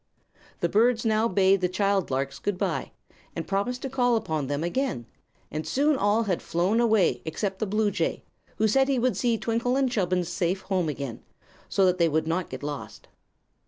The birds now bade the child larks good bye and promised to call upon them again, and soon all had flown away except the bluejay, who said he would see Twinkle and Chubbins safe home again, so that they would not get lost.